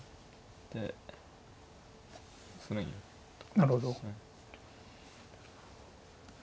なるほど。